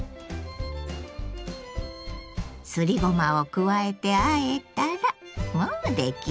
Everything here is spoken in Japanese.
すりごまを加えてあえたらもう出来上がり。